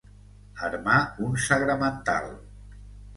Armar un sagramental.